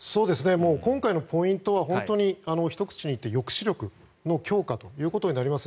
今回のポイントは本当にひと口に言って抑止力の強化ということになりますね。